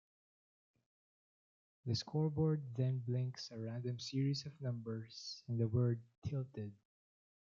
The scoreboard then blinks a random series of numbers and the word Tilted.